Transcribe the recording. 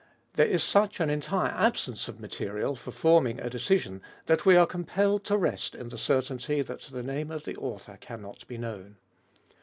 There is such an entire absence of material for forming a decision that we are compelled to rest in the certainty that the name of the author cannot be known.